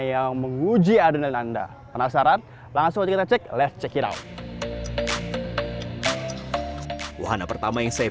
yang menguji adalah anda penasaran langsung kita cek let's check it out wahana pertama yang saya